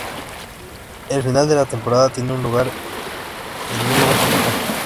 El final de la temporada tiene lugar en un lugar tropical.